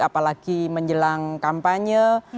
apalagi menjelang kampanye